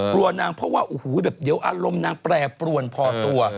กลัวนางเพราะว่าโอ้โหแบบเดี๋ยวอารมณ์นางแปรปรวนพอตัว